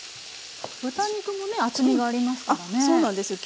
豚肉もね厚みがありますからね。